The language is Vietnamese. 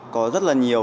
có rất là nhiều